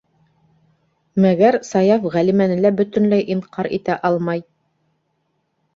Мәгәр Саяф Ғәлимәне лә бөтөнләй инҡар итә алмай.